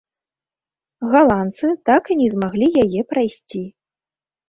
Галандцы так і не змаглі яе прайсці.